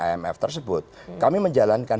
imf tersebut kami menjalankan